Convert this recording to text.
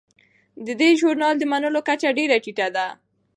د دې ژورنال د منلو کچه ډیره ټیټه ده.